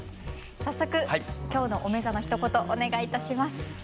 早速今日の「おめざ」のひと言お願いいたします。